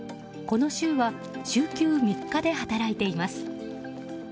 この週は週休３日で働いています。